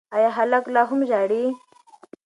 ایا هلک لا هم ژاړي؟